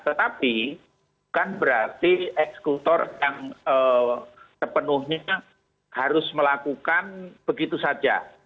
tetapi bukan berarti eksekutor yang sepenuhnya harus melakukan begitu saja